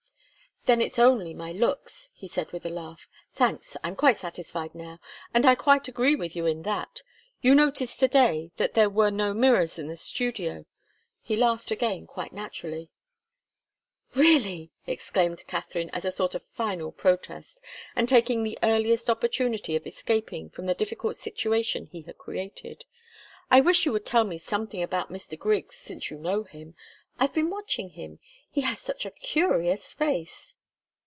"Then it's only my looks," he said with a laugh. "Thanks! I'm quite satisfied now, and I quite agree with you in that. You noticed to day that there were no mirrors in the studio." He laughed again quite naturally. "Really!" exclaimed Katharine, as a sort of final protest, and taking the earliest opportunity of escaping from the difficult situation he had created. "I wish you would tell me something about Mr. Griggs, since you know him. I've been watching him he has such a curious face!"